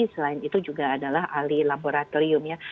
selain itu juga adalah ahli laboratorium ya